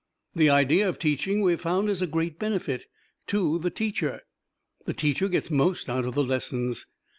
The idea of teaching we have found is a great benefit to the teacher. The teacher gets most out of the lessons.